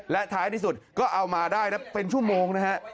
และท้ายที่สุดก็เอามาได้นะเป็นชั่วโมงนะฮะ